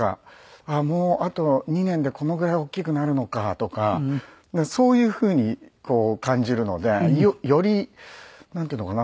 もうあと２年でこのぐらい大きくなるのかとかそういうふうに感じるのでよりなんていうのかな。